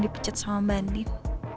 dipecat sama mba andin